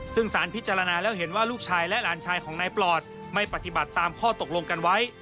ซึ่งสารพิจารณาแล้วเห็นว่าลูกชายและหลานชายของนายปลอดไม่ปฏิบัติตามข้อตกลงกันไว้